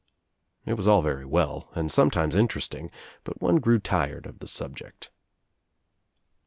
It was all very well and sometimes interesting but one grew tired of the subject.